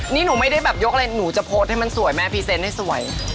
นี่หนูไม่ได้แบบยกอะไรหนูจะโพสต์ให้มันสวยแม่พรีเซนต์ให้สวย